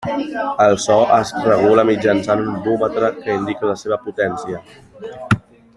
El so es regula mitjançant un vúmetre que indica la seva potència.